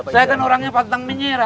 saya kan orang yang patut menyerah